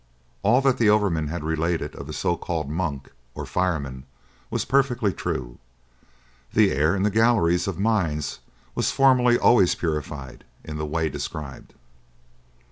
All that the old overman had related of the so called "monk" or "fireman" was perfectly true. The air in the galleries of mines was formerly always purified in the way described.